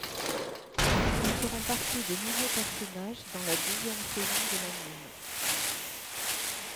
Ils feront partie des nouveaux personnages dans la deuxième saison de l'anime.